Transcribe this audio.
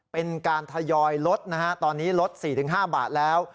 เป็นการทยอยลดนะฮะตอนนี้ลด๔๕บาทแล้ว